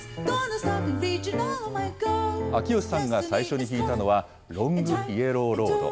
秋吉さんが最初に弾いたのは、ロング・イエロー・ロード。